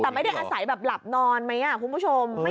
แต่ไม่ได้อาศัยแบบหลับนอนไหมคุณผู้ชม